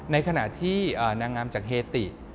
ในขณะที่นางงามจากเฮติ